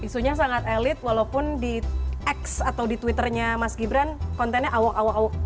isunya sangat elit walaupun di x atau di twitternya mas gibran kontennya awak awak